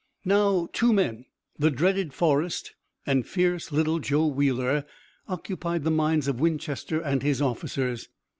Now two men, the dreaded Forrest and fierce little Joe Wheeler, occupied the minds of Winchester and his officers.